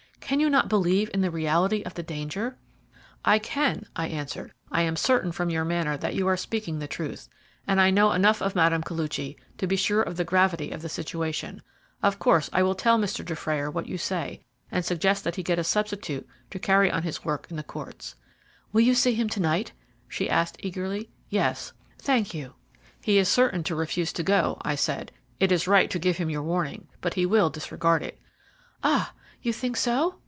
Can you not believe in the reality of the danger?" "I can," I answered. "I am certain from your manner that you are speaking the truth, and I know enough of Mme. Koluchy to be sure of the gravity of the situation. Of course, I will tell Mr. Dufrayer what you say, and suggest that he get a substitute to carry on his work in the courts." "Will you see him to night?" she asked eagerly. "Yes." "Thank you." "He is certain to refuse to go," I said. "It is right to give him your warning, but he will disregard it." "Ah! you think so?"